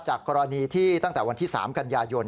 กรณีที่ตั้งแต่วันที่๓กันยายน